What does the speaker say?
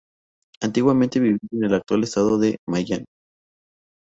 Antiguamente vivían en el actual estado de Maine.